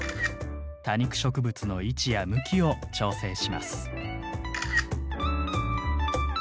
多肉植物の位置や向きを調整します。